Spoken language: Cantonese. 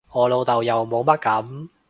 我老豆又冇乜噉